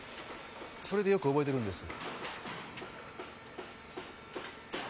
それでよく覚えてるんです。